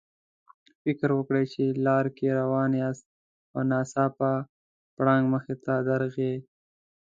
فکر وکړئ چې لار کې روان یاستئ او ناڅاپه پړانګ مخې ته درغی.